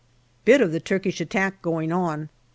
Bit of the Turkish attack going on.